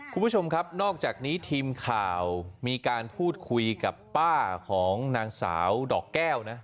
คุณผู้ชมครับนอกจากนี้ทีมข่าวมีการพูดคุยกับป้าของนางสาวดอกแก้วนะ